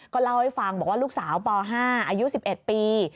เล่าให้ฟังบอกว่าลูกสาวป๕อายุ๑๑ปี